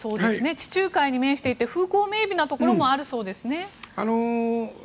地中海に面していて風光明媚なところもあるそうですね。